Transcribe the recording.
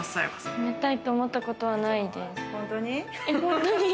辞めたいと思ったことはないです。